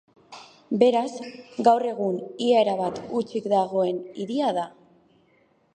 Beraz, gaur egun ia erabat hutsik dagoen hiria da.